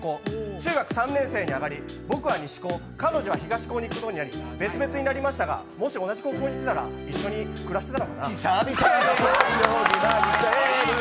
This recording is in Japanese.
中学３年生に上がり僕は西校、彼女は東校に行くことになり、別々になりましたが、もし同じ高校に行っていたら一緒に暮らしてたのかな？